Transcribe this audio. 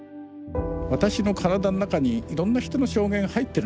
私の体の中にいろんな人の証言入ってるのね。